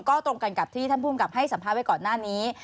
ก็ตรงกันกับที่ท่านภูมิกับให้สัมภาษณ์ไว้ก่อนหน้านี้